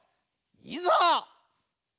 いざ！